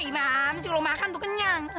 gimana sih lo makan tuh kenyang